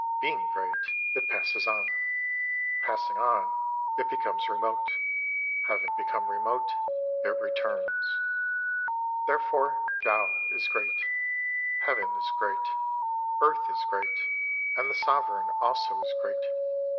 20 Being great, it passes on ; passing on, it becomes remote ; having become remote, it returns. Therefore Tao is great ; Heaven is great ; Earth .s great ; and the Sovereign also is great.